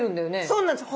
そうなんです。